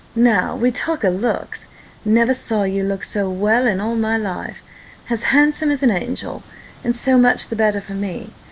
Now we talk o' looks never saw you look so well in my life as handsome as an angel! And so much the better for me.